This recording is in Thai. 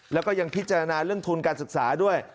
แล้วก็ยังพิจารณาเรื่องทุนการศึกษาด้วย